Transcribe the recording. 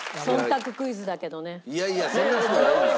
いやいやそんな事ないですよ。